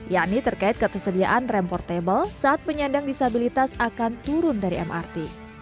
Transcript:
yakni terkait ketersediaan rem portable saat penyandang disabilitas akan turun dari mrt